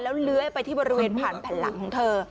แล้วเลื้อยไปที่บริเวณผ่านแผ่นหลังของเธอ